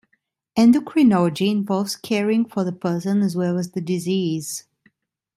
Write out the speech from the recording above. Endocrinology involves caring for the person as well as the disease.